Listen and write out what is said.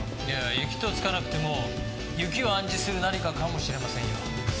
いや「雪」と付かなくても雪を暗示する何かかもしれませんよ。